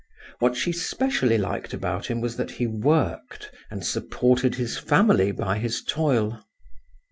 What she specially liked about him was that he worked, and supported his family by his toil.